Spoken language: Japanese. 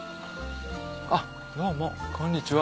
どうもこんにちは。